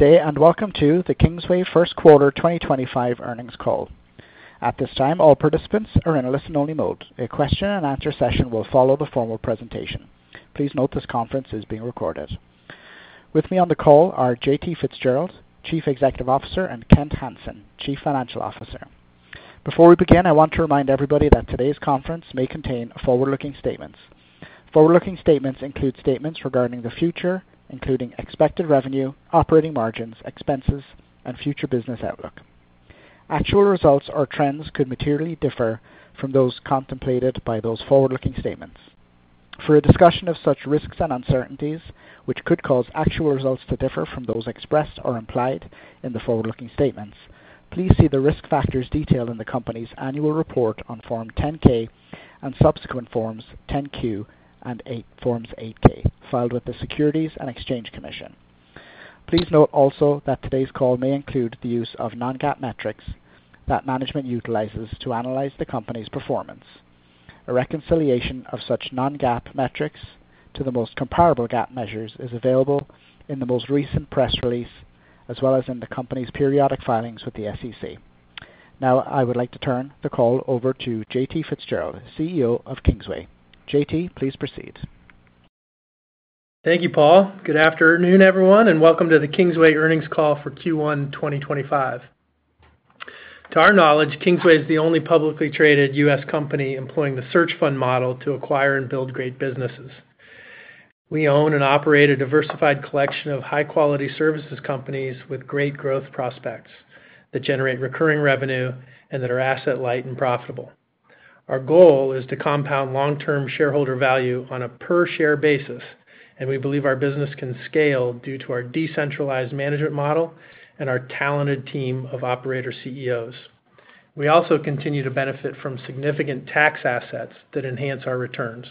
And welcome to the Kingsway First Quarter 2025 earnings call. At this time, all participants are in a listen-only mode. A question-and-answer session will follow the formal presentation. Please note this conference is being recorded. With me on the call are J.T. Fitzgerald, Chief Executive Officer, and Kent Hansen, Chief Financial Officer. Before we begin, I want to remind everybody that today's conference may contain forward-looking statements. Forward-looking statements include statements regarding the future, including expected revenue, operating margins, expenses, and future business outlook. Actual results or trends could materially differ from those contemplated by those forward-looking statements. For a discussion of such risks and uncertainties, which could cause actual results to differ from those expressed or implied in the forward-looking statements, please see the risk factors detailed in the company's annual report on Form 10-K and subsequent Forms 10-Q and Forms 8-K filed with the Securities and Exchange Commission. Please note also that today's call may include the use of non-GAAP metrics that management utilizes to analyze the company's performance. A reconciliation of such non-GAAP metrics to the most comparable GAAP measures is available in the most recent press release as well as in the company's periodic filings with the SEC. Now, I would like to turn the call over to J.T. Fitzgerald, CEO of Kingsway. J.T., please proceed. Thank you, Paul. Good afternoon, everyone, and welcome to the Kingsway earnings call for Q1 2025. To our knowledge, Kingsway is the only publicly traded U.S. company employing the Search Fund Model to acquire and build great businesses. We own and operate a diversified collection of high-quality services companies with great growth prospects that generate recurring revenue and that are asset-light and profitable. Our goal is to compound long-term shareholder value on a per-share basis, and we believe our business can scale due to our decentralized management model and our talented team of operator CEOs. We also continue to benefit from significant tax assets that enhance our returns.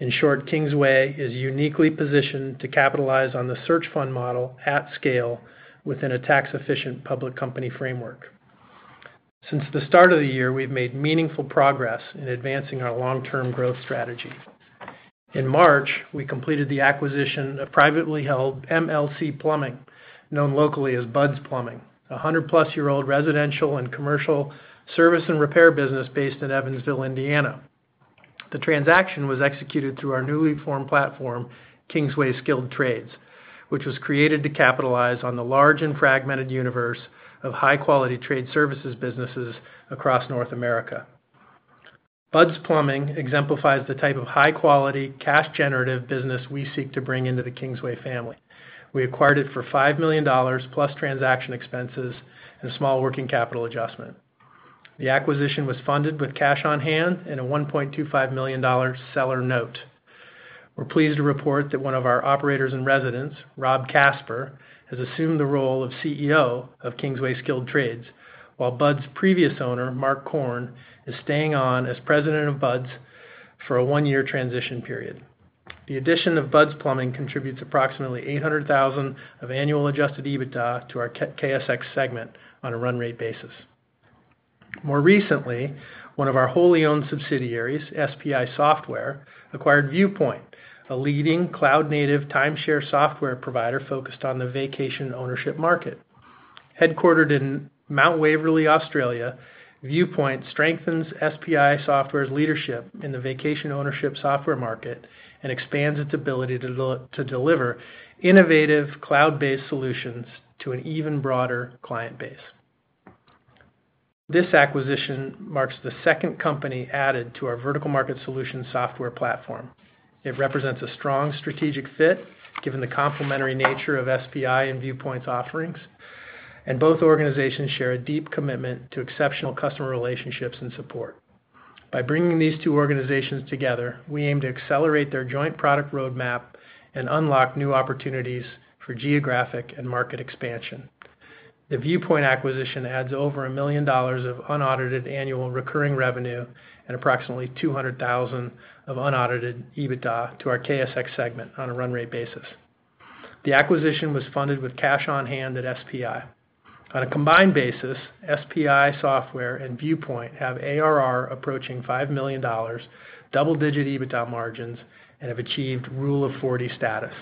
In short, Kingsway is uniquely positioned to capitalize on the search fund model at scale within a tax-efficient public company framework. Since the start of the year, we've made meaningful progress in advancing our long-term growth strategy. In March, we completed the acquisition of privately held MLC Plumbing, known locally as Bud's Plumbing, a 100+ year-old residential and commercial service and repair business based in Evansville, Indiana. The transaction was executed through our newly formed platform, Kingsway Skilled Trades, which was created to capitalize on the large and fragmented universe of high-quality trade services businesses across North America. Bud's Plumbing exemplifies the type of high-quality, cash-generative business we seek to bring into the Kingsway family. We acquired it for $5 million plus transaction expenses and a small working capital adjustment. The acquisition was funded with cash on hand and a $1.25 million seller note. We're pleased to report that one of our operators in residence, Rob Casper, has assumed the role of CEO of Kingsway Skilled Trades, while Bud's previous owner, Mark Korn, is staying on as president of Bud's for a one-year transition period. The addition of Bud's Plumbing contributes approximately $800,000 of annual adjusted EBITDA to our KSX segment on a run-rate basis. More recently, one of our wholly owned subsidiaries, SPI Software, acquired Viewpoint, a leading cloud-native timeshare software provider focused on the vacation ownership market. Headquartered in Mount Waverly, Australia, Viewpoint strengthens SPI Software's leadership in the vacation ownership software market and expands its ability to deliver innovative cloud-based solutions to an even broader client base. This acquisition marks the second company added to our vertical market solution software platform. It represents a strong strategic fit given the complementary nature of SPI and Viewpoint's offerings, and both organizations share a deep commitment to exceptional customer relationships and support. By bringing these two organizations together, we aim to accelerate their joint product roadmap and unlock new opportunities for geographic and market expansion. The Viewpoint acquisition adds over $1 million of unaudited annual recurring revenue and approximately $200,000 of unaudited EBITDA to our KSX segment on a run-rate basis. The acquisition was funded with cash on hand at SPI. On a combined basis, SPI Software and Viewpoint have ARR approaching $5 million, double-digit EBITDA margins, and have achieved Rule of 40 status.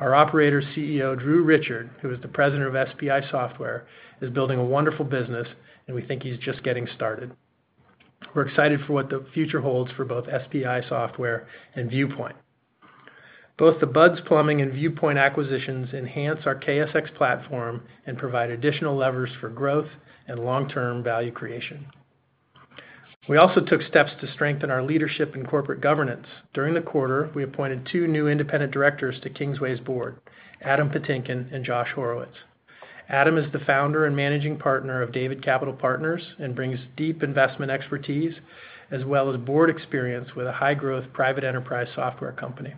Our operator CEO, Drew Richard, who is the president of SPI Software, is building a wonderful business, and we think he's just getting started. We're excited for what the future holds for both SPI Software and Viewpoint. Both the Bud's Plumbing and Viewpoint acquisitions enhance our KSX platform and provide additional levers for growth and long-term value creation. We also took steps to strengthen our leadership and corporate governance. During the quarter, we appointed two new independent directors to Kingsway's board, Adam Patinkin and Josh Horowitz. Adam is the founder and managing partner of David Capital Partners and brings deep investment expertise as well as board experience with a high-growth private enterprise software company.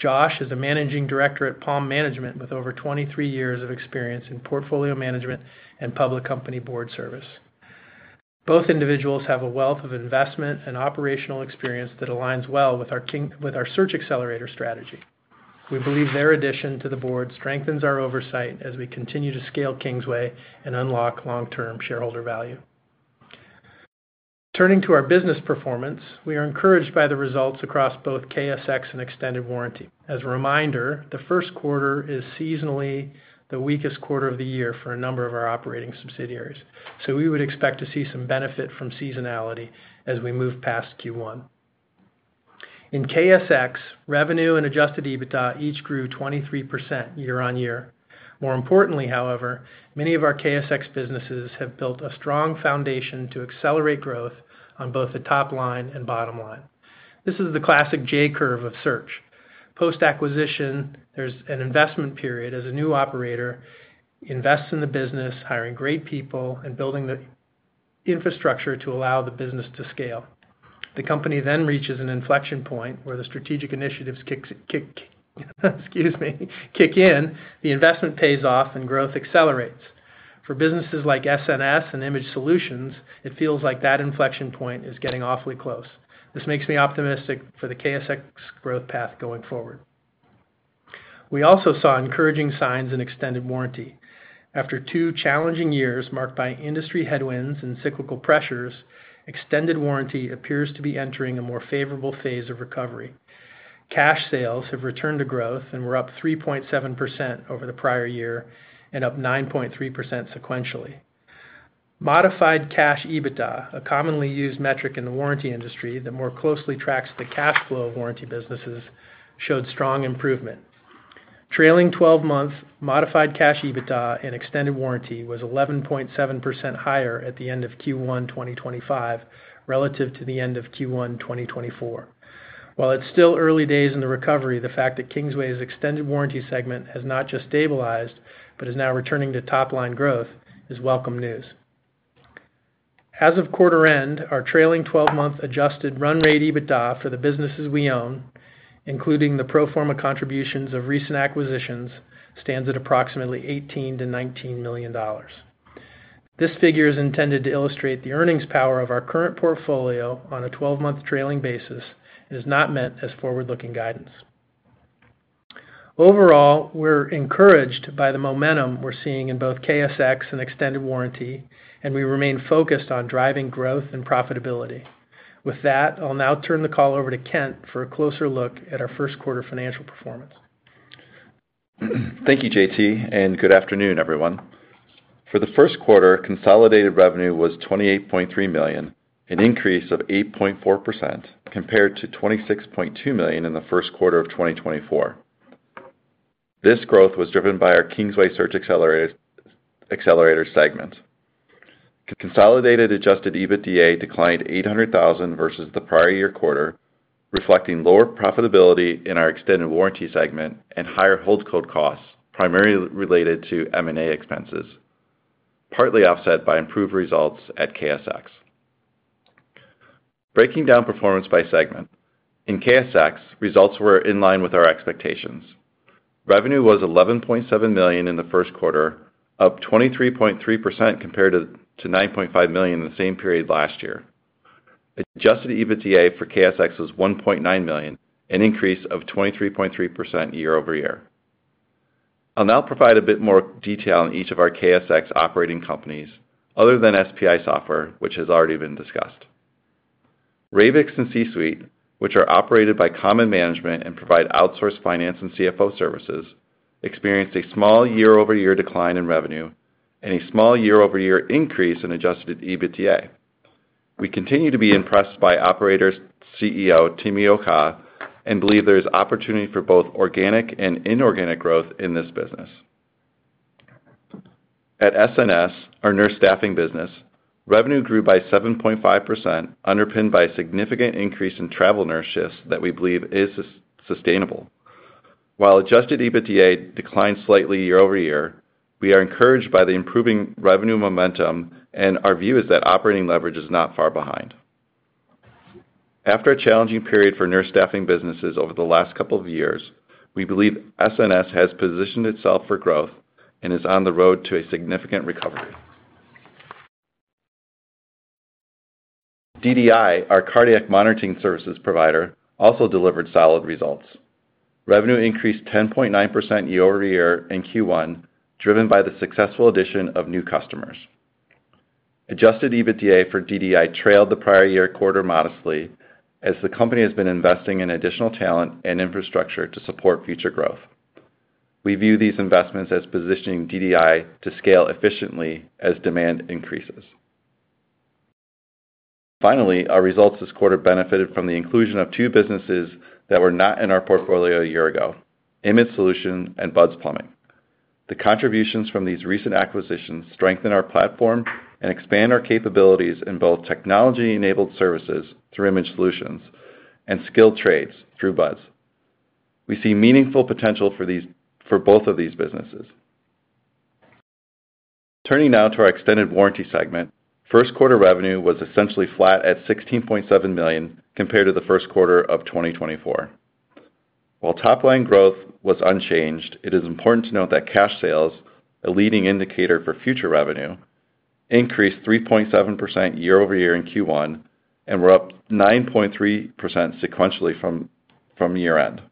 Josh is a managing director at Palm Management with over 23 years of experience in portfolio management and public company board service. Both individuals have a wealth of investment and operational experience that aligns well with our search accelerator strategy. We believe their addition to the board strengthens our oversight as we continue to scale Kingsway and unlock long-term shareholder value. Turning to our business performance, we are encouraged by the results across both KSX and extended warranty. As a reminder, the first quarter is seasonally the weakest quarter of the year for a number of our operating subsidiaries, so we would expect to see some benefit from seasonality as we move past Q1. In KSX, revenue and adjusted EBITDA each grew 23% year-on-year. More importantly, however, many of our KSX businesses have built a strong foundation to accelerate growth on both the top line and bottom line. This is the classic J-curve of search. Post-acquisition, there is an investment period as a new operator invests in the business, hiring great people and building the infrastructure to allow the business to scale. The company then reaches an inflection point where the strategic initiatives kick in, the investment pays off, and growth accelerates. For businesses like SNS and Image Solutions, it feels like that inflection point is getting awfully close. This makes me optimistic for the KSX growth path going forward. We also saw encouraging signs in extended warranty. After two challenging years marked by industry headwinds and cyclical pressures, extended warranty appears to be entering a more favorable phase of recovery. Cash sales have returned to growth and were up 3.7% over the prior year and up 9.3% sequentially. Modified cash EBITDA, a commonly used metric in the warranty industry that more closely tracks the cash flow of warranty businesses, showed strong improvement. Trailing 12-month modified cash EBITDA in extended warranty was 11.7% higher at the end of Q1 2025 relative to the end of Q1 2024. While it's still early days in the recovery, the fact that Kingsway's extended warranty segment has not just stabilized but is now returning to top-line growth is welcome news. As of quarter-end, our trailing 12-month adjusted run-rate EBITDA for the businesses we own, including the pro forma contributions of recent acquisitions, stands at approximately $18 million-$19 million. This figure is intended to illustrate the earnings power of our current portfolio on a 12-month trailing basis and is not meant as forward-looking guidance. Overall, we're encouraged by the momentum we're seeing in both KSX and extended warranty, and we remain focused on driving growth and profitability. With that, I'll now turn the call over to Kent for a closer look at our first quarter financial performance. Thank you, J.T., and good afternoon, everyone. For the first quarter, consolidated revenue was $28.3 million, an increase of 8.4% compared to $26.2 million in the first quarter of 2024. This growth was driven by our Kingsway Search Xcelerator segment. Consolidated adjusted EBITDA declined $800,000 versus the prior year quarter, reflecting lower profitability in our extended warranty segment and higher [hold code costs], primarily related to M&A expenses, partly offset by improved results at KSX. Breaking down performance by segment, in KSX, results were in line with our expectations. Revenue was $11.7 million in the first quarter, up 23.3% compared to $9.5 million in the same period last year. Adjusted EBITDA for KSX was $1.9 million, an increase of 23.3% year-over-year. I'll now provide a bit more detail on each of our KSX operating companies other than SPI Software, which has already been discussed. Ravix and C Suite, which are operated by Common Management and provide outsourced finance and CFO services, experienced a small year-over-year decline in revenue and a small year-over-year increase in adjusted EBITDA. We continue to be impressed by operator CEO Timi Okah and believe there is opportunity for both organic and inorganic growth in this business. At SNS, our nurse staffing business, revenue grew by 7.5%, underpinned by a significant increase in travel nurse shifts that we believe is sustainable. While adjusted EBITDA declined slightly year-over-year, we are encouraged by the improving revenue momentum, and our view is that operating leverage is not far behind. After a challenging period for nurse staffing businesses over the last couple of years, we believe SNS has positioned itself for growth and is on the road to a significant recovery. DDI, our cardiac monitoring services provider, also delivered solid results. Revenue increased 10.9% year-over-year in Q1, driven by the successful addition of new customers. Adjusted EBITDA for DDI trailed the prior year quarter modestly, as the company has been investing in additional talent and infrastructure to support future growth. We view these investments as positioning DDI to scale efficiently as demand increases. Finally, our results this quarter benefited from the inclusion of two businesses that were not in our portfolio a year ago: Image Solutions and Bud's Plumbing. The contributions from these recent acquisitions strengthen our platform and expand our capabilities in both technology-enabled services through Image Solutions and skilled trades through Bud's. We see meaningful potential for both of these businesses. Turning now to our extended warranty segment, first quarter revenue was essentially flat at $16.7 million compared to the first quarter of 2024. While top-line growth was unchanged, it is important to note that cash sales, a leading indicator for future revenue, increased 3.7% year-over-year in Q1 and were up 9.3% sequentially from year-end.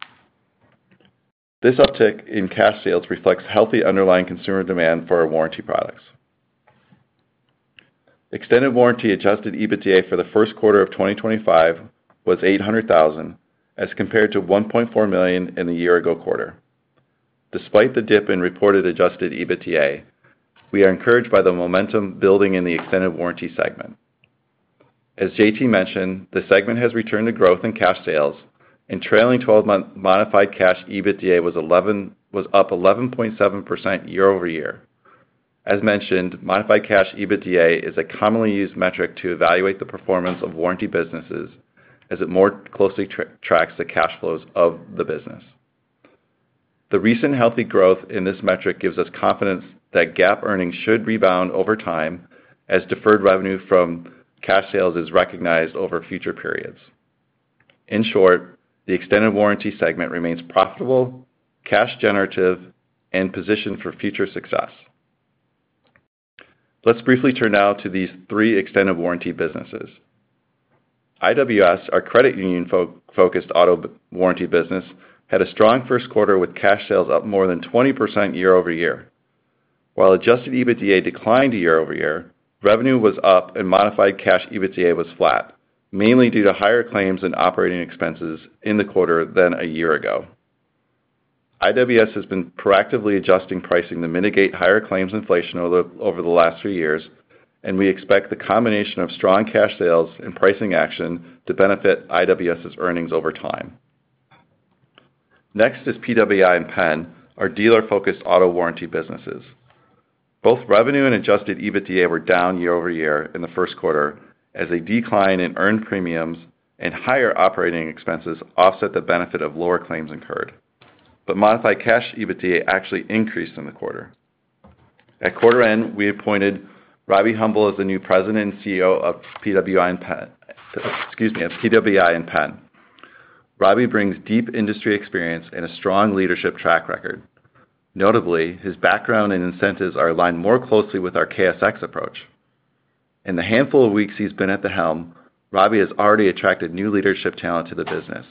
This uptick in cash sales reflects healthy underlying consumer demand for our warranty products. Extended warranty adjusted EBITDA for the first quarter of 2025 was $800,000 as compared to $1.4 million in the year-ago quarter. Despite the dip in reported adjusted EBITDA, we are encouraged by the momentum building in the extended warranty segment. As J.T. mentioned, the segment has returned to growth in cash sales, and trailing 12-month modified cash EBITDA was up 11.7% year-over-year. As mentioned, modified cash EBITDA is a commonly used metric to evaluate the performance of warranty businesses, as it more closely tracks the cash flows of the business. The recent healthy growth in this metric gives us confidence that GAAP earnings should rebound over time as deferred revenue from cash sales is recognized over future periods. In short, the extended warranty segment remains profitable, cash-generative, and positioned for future success. Let's briefly turn now to these three extended warranty businesses. IWS, our credit union-focused auto warranty business, had a strong first quarter with cash sales up more than 20% year-over-year. While adjusted EBITDA declined year-over-year, revenue was up and modified cash EBITDA was flat, mainly due to higher claims and operating expenses in the quarter than a year ago. IWS has been proactively adjusting pricing to mitigate higher claims inflation over the last three years, and we expect the combination of strong cash sales and pricing action to benefit IWS's earnings over time. Next is PWI and Penn, our dealer-focused auto warranty businesses. Both revenue and adjusted EBITDA were down year-over-year in the first quarter as a decline in earned premiums and higher operating expenses offset the benefit of lower claims incurred. But modified cash EBITDA actually increased in the quarter. At quarter end, we appointed Robbie Humble as the new President and CEO of PWI and Penn. Robbie brings deep industry experience and a strong leadership track record. Notably, his background and incentives are aligned more closely with our KSX approach. In the handful of weeks he's been at the helm, Robbie has already attracted new leadership talent to the business.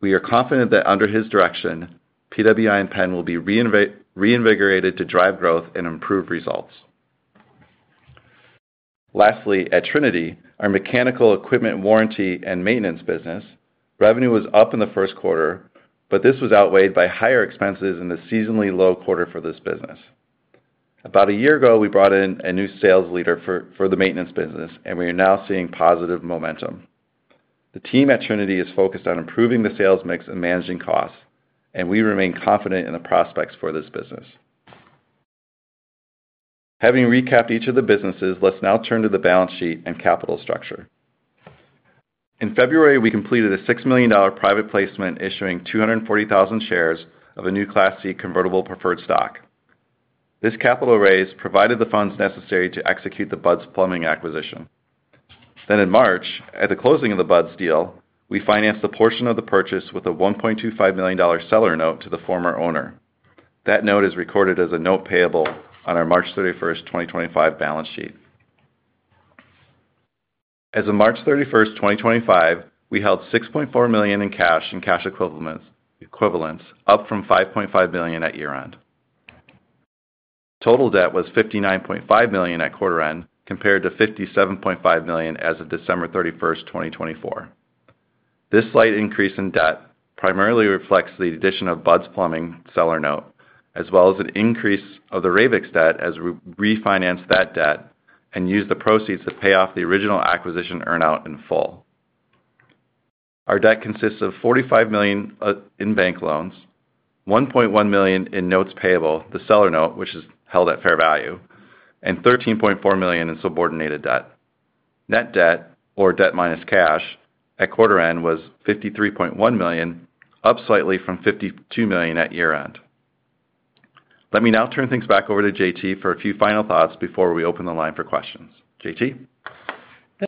We are confident that under his direction, PWI and Penn will be reinvigorated to drive growth and improve results. Lastly, at Trinity, our mechanical equipment warranty and maintenance business, revenue was up in the first quarter, but this was outweighed by higher expenses in the seasonally low quarter for this business. About a year ago, we brought in a new sales leader for the maintenance business, and we are now seeing positive momentum. The team at Trinity is focused on improving the sales mix and managing costs, and we remain confident in the prospects for this business. Having recapped each of the businesses, let's now turn to the balance sheet and capital structure. In February, we completed a $6 million private placement issuing 240,000 shares of a new Class C convertible preferred stock. This capital raise provided the funds necessary to execute the Bud's Plumbing acquisition. In March, at the closing of the Bud's deal, we financed a portion of the purchase with a $1.25 million seller note to the former owner. That note is recorded as a note payable on our March 31, 2025 balance sheet. As of March 31, 2025, we held $6.4 million in cash and cash equivalents, up from $5.5 million at year-end. Total debt was $59.5 million at quarter end compared to $57.5 million as of December 31, 2024. This slight increase in debt primarily reflects the addition of Bud's Plumbing seller note, as well as an increase of the Ravix debt as we refinanced that debt and used the proceeds to pay off the original acquisition earn-out in full. Our debt consists of $45 million in bank loans, $1.1 million in notes payable, the seller note, which is held at fair value, and $13.4 million in subordinated debt. Net debt, or debt minus cash, at quarter end was $53.1 million, up slightly from $52 million at year-end. Let me now turn things back over to J.T. for a few final thoughts before we open the line for questions. J.T.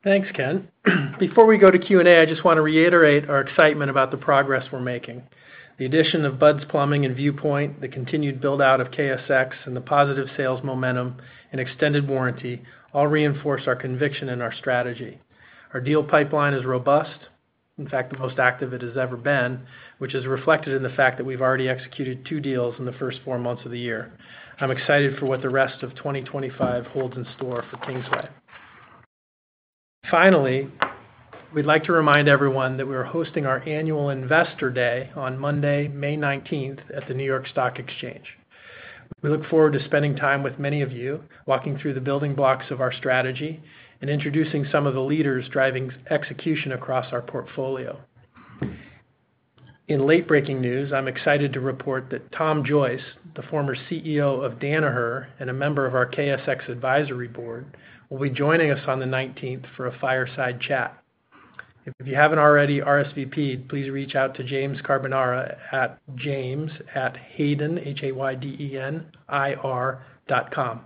Thanks, Kent. Before we go to Q&A, I just want to reiterate our excitement about the progress we're making. The addition of Bud's Plumbing and Viewpoint, the continued build-out of KSX, and the positive sales momentum and extended warranty all reinforce our conviction in our strategy. Our deal pipeline is robust, in fact, the most active it has ever been, which is reflected in the fact that we've already executed two deals in the first four months of the year. I'm excited for what the rest of 2025 holds in store for Kingsway. Finally, we'd like to remind everyone that we are hosting our annual Investor Day on Monday, May 19th, at the New York Stock Exchange. We look forward to spending time with many of you, walking through the building blocks of our strategy and introducing some of the leaders driving execution across our portfolio. In late-breaking news, I'm excited to report that Tom Joyce, the former CEO of Danaher and a member of our KSX Advisory Board, will be joining us on the 19th for a fireside chat. If you haven't already RSVPed, please reach out to James Carbonara at james@haydenir.com.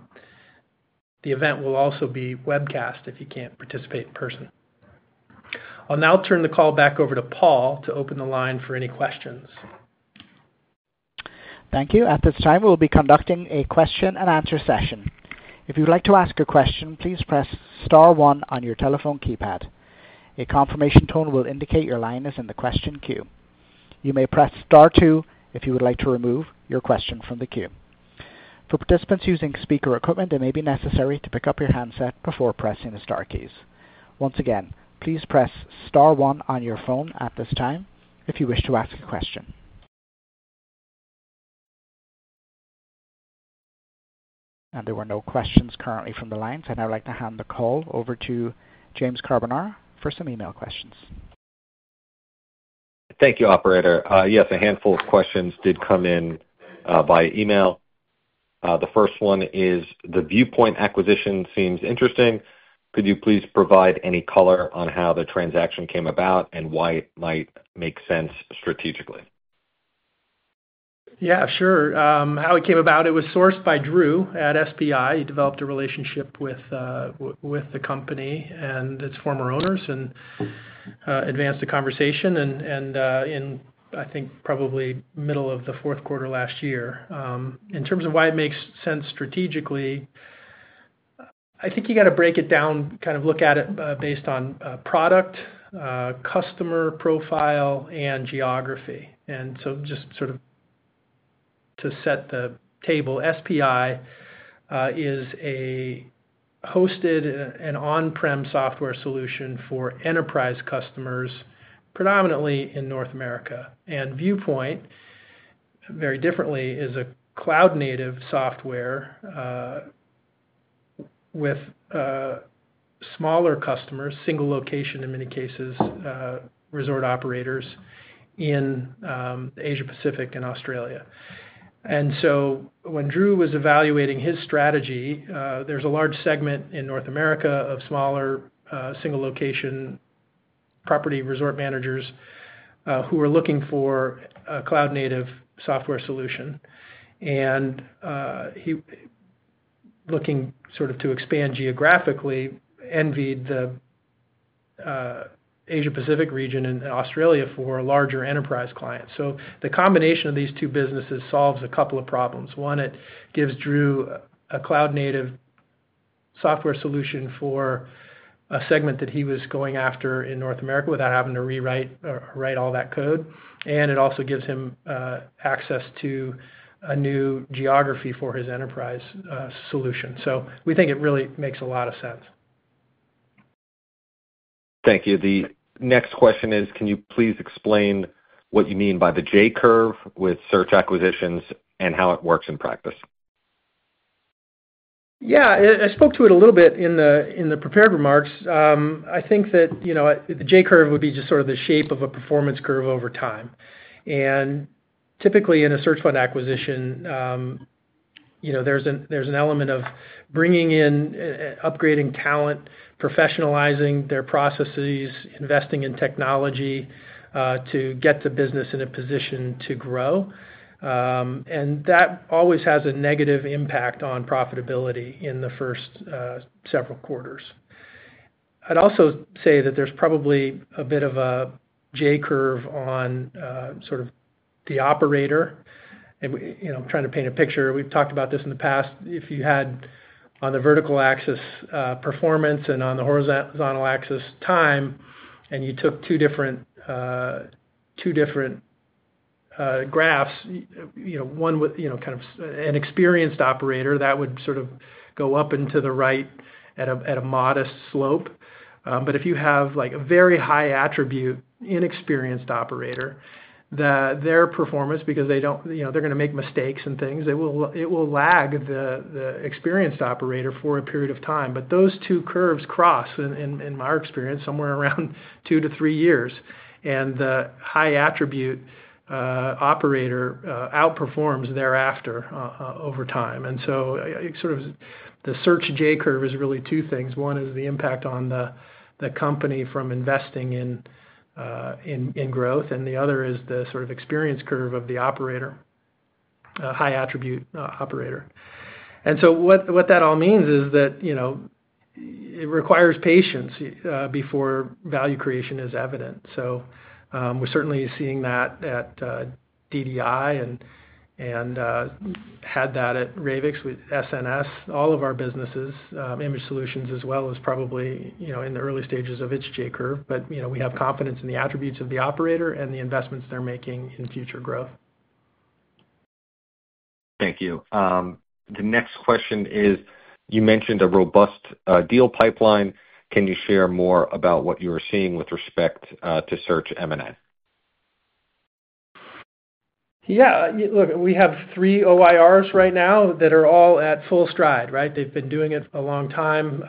The event will also be webcast if you can't participate in person. I'll now turn the call back over to Paul to open the line for any questions. Thank you. At this time, we'll be conducting a question-and-answer session. If you'd like to ask a question, please press star one on your telephone keypad. A confirmation tone will indicate your line is in the question queue. You may press star two if you would like to remove your question from the queue. For participants using speaker equipment, it may be necessary to pick up your handset before pressing the star keys. Once again, please press star one on your phone at this time if you wish to ask a question. There were no questions currently from the line, so I'd now like to hand the call over to James Carbonara for some email questions. Thank you, Operator. Yes, a handful of questions did come in by email. The first one is, "The Viewpoint acquisition seems interesting. Could you please provide any color on how the transaction came about and why it might make sense strategically? Yeah, sure. How it came about, it was sourced by Drew at SPI. He developed a relationship with the company and its former owners and advanced the conversation in, I think, probably the middle of the fourth quarter last year. In terms of why it makes sense strategically, I think you got to break it down, kind of look at it based on product, customer profile, and geography. Just sort of to set the table, SPI is a hosted and on-prem software solution for enterprise customers, predominantly in North America. Viewpoint, very differently, is a cloud-native software with smaller customers, single location in many cases, resort operators in Asia-Pacific and Australia. When Drew was evaluating his strategy, there's a large segment in North America of smaller single-location property resort managers who are looking for a cloud-native software solution. Looking sort of to expand geographically, envied the Asia-Pacific region and Australia for a larger enterprise client. The combination of these two businesses solves a couple of problems. One, it gives Drew a cloud-native software solution for a segment that he was going after in North America without having to rewrite all that code. It also gives him access to a new geography for his enterprise solution. We think it really makes a lot of sense. Thank you. The next question is, "Can you please explain what you mean by the J-curve with search acquisitions and how it works in practice"? Yeah. I spoke to it a little bit in the prepared remarks. I think that the J-curve would be just sort of the shape of a performance curve over time. Typically, in a search fund acquisition, there's an element of bringing in, upgrading talent, professionalizing their processes, investing in technology to get the business in a position to grow. That always has a negative impact on profitability in the first several quarters. I'd also say that there's probably a bit of a J-curve on sort of the operator. I'm trying to paint a picture. We've talked about this in the past. If you had on the vertical axis performance and on the horizontal axis time, and you took two different graphs, one with kind of an experienced operator, that would sort of go up and to the right at a modest slope. If you have a very high attribute inexperienced operator, their performance, because they're going to make mistakes and things, it will lag the experienced operator for a period of time. Those two curves cross, in my experience, somewhere around two to three years. The high attribute operator outperforms thereafter over time. The search J-curve is really two things. One is the impact on the company from investing in growth, and the other is the experience curve of the operator, high attribute operator. What that all means is that it requires patience before value creation is evident. We're certainly seeing that at DDI and had that at Ravix with SNS, all of our businesses, Image Solutions, as well as probably in the early stages of its J-curve. We have confidence in the attributes of the operator and the investments they're making in future growth. Thank you. The next question is, "You mentioned a robust deal pipeline. Can you share more about what you're seeing with respect to search M&A"? Yeah. Look, we have three OIRs right now that are all at full stride, right? They've been doing it a long time.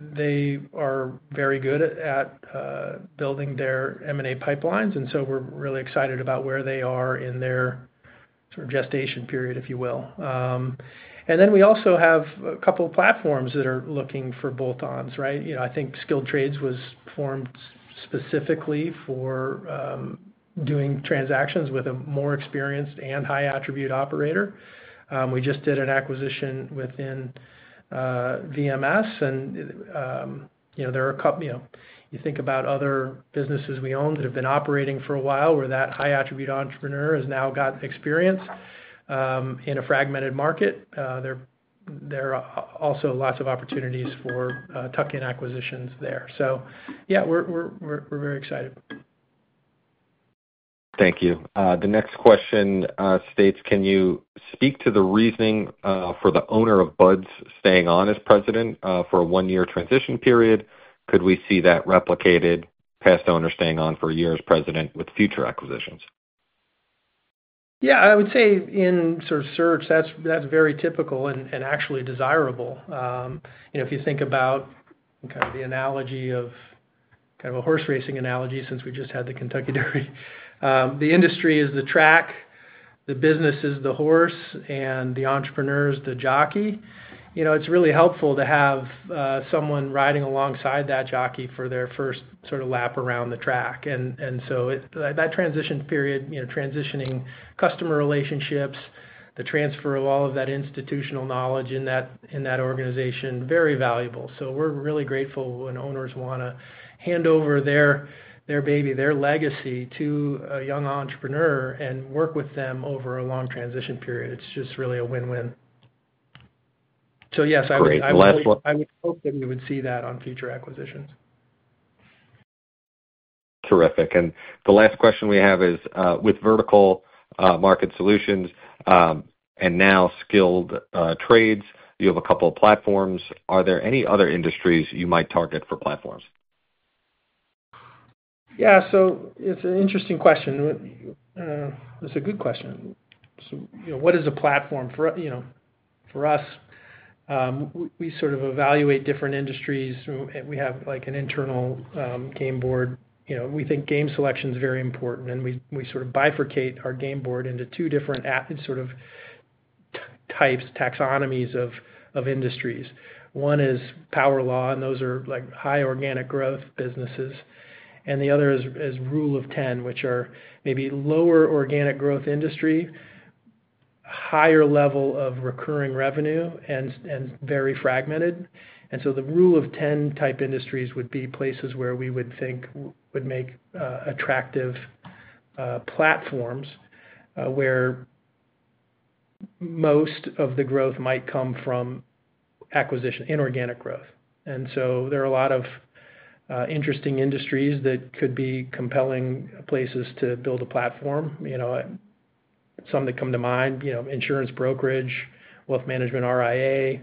They are very good at building their M&A pipelines. We're really excited about where they are in their sort of gestation period, if you will. We also have a couple of platforms that are looking for bolt-ons, right? I think Skilled Trades was formed specifically for doing transactions with a more experienced and high attribute operator. We just did an acquisition within VMS, and there are a couple you think about other businesses we own that have been operating for a while where that high attribute entrepreneur has now got experience in a fragmented market. There are also lots of opportunities for tuck-in acquisitions there. Yeah, we're very excited. Thank you. The next question states, "Can you speak to the reasoning for the owner of Bud's staying on as president for a one-year transition period? Could we see that replicated, past owner staying on for a year as president with future acquisitions? Yeah. I would say in sort of search, that's very typical and actually desirable. If you think about kind of the analogy of kind of a horse racing analogy, since we just had the Kentucky Derby, the industry is the track, the business is the horse, and the entrepreneur is the jockey, it's really helpful to have someone riding alongside that jockey for their first sort of lap around the track. That transition period, transitioning customer relationships, the transfer of all of that institutional knowledge in that organization, very valuable. We are really grateful when owners want to hand over their baby, their legacy to a young entrepreneur and work with them over a long transition period. It's just really a win-win. Yes, I would hope that we would see that on future acquisitions. Terrific. The last question we have is, "With vertical market solutions and now Skilled Trades, you have a couple of platforms. Are there any other industries you might target for platforms"? Yeah. It's an interesting question. It's a good question. What is a platform? For us, we sort of evaluate different industries. We have an internal game board. We think game selection is very important, and we sort of bifurcate our game board into two different types, taxonomies of industries. One is power law, and those are high organic growth businesses. The other is Rule of 10, which are maybe lower organic growth industry, higher level of recurring revenue, and very fragmented. The Rule of 10 type industries would be places where we would think would make attractive platforms where most of the growth might come from acquisition, inorganic growth. There are a lot of interesting industries that could be compelling places to build a platform. Some that come to mind, insurance brokerage, wealth management, RIA,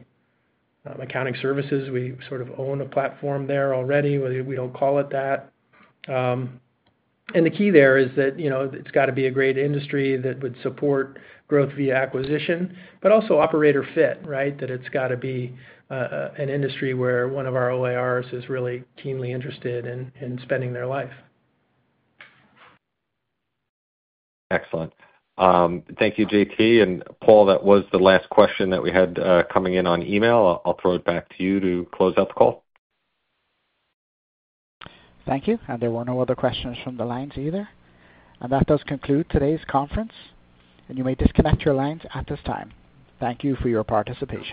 accounting services. We sort of own a platform there already, whether we do not call it that. The key there is that it has got to be a great industry that would support growth via acquisition, but also operator fit, right? It has got to be an industry where one of our OIRs is really keenly interested in spending their life. Excellent. Thank you, J.T. And Paul, that was the last question that we had coming in on email. I'll throw it back to you to close out the call. Thank you. There were no other questions from the lines either. That does conclude today's conference. You may disconnect your lines at this time. Thank you for your participation.